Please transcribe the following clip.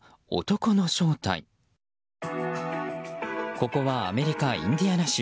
ここはアメリカ・インディアナ州。